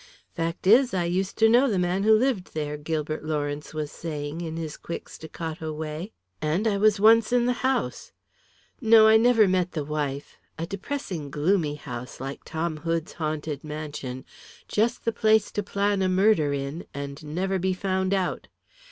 "Fact is I used to know the man who lived there," Gilbert Lawrence was saying in his quick staccato way. "And I was once in the house. No, I never met the wife. A depressing, gloomy house, like Tom Hood's haunted mansion. Just the place to plan a murder in, and never be found out.